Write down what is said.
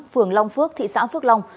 phường long phước thị xã phước long